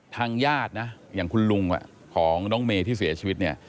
ทางญาตินะอย่างคุณลุงของน้องเมย์ที่เสียชีวิตเนี่ย